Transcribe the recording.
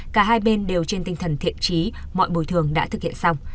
cả hai bên đều trên tinh thần thiện trí mọi bồi thường đã thực hiện xong